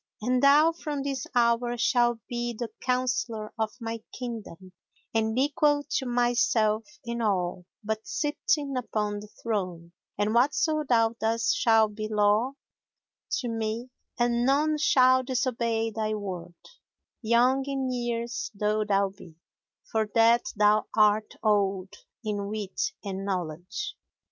And thou, from this hour, shalt be the counsellor of my kingdom and equal to myself in all but sitting upon the throne; and whatso thou dost shall be law to me and none shall disobey thy word, young in years though thou be, for that thou art old in wit and knowledge.